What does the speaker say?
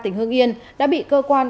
tỉnh hương yên đã bị cơ quan